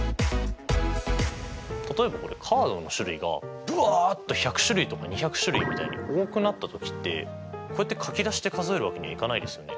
例えばこれカードの種類がブワッと１００種類とか２００種類みたいに多くなった時ってこうやって書き出して数えるわけにはいかないですよね。